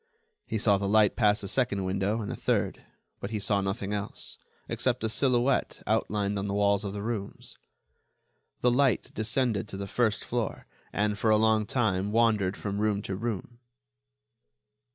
He saw the light pass a second window and a third, but he saw nothing else, except a silhouette outlined on the walls of the rooms. The light descended to the first floor, and, for a long time, wandered from room to room.